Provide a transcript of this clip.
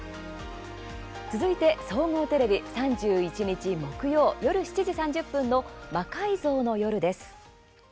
続いて、総合テレビ３１日、木曜、夜７時３０分の「魔改造の夜」です。